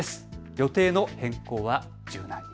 予定の変更は柔軟に。